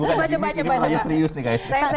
bukan gini ini pertanyaan serius nih guys